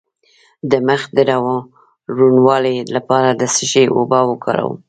د مخ د روڼوالي لپاره د څه شي اوبه وکاروم؟